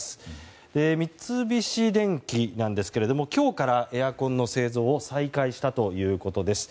三菱電機ですが今日からエアコンの製造を再開したということです。